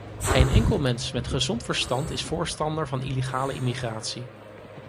Geen enkel mens met gezond verstand is voorstander van illegale immigratie.